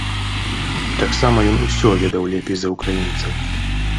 Таксама ён усё ведаў лепей за ўкраінцаў.